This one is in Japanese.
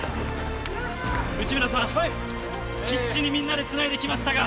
内村さん、必死にみんなでつないそうですね。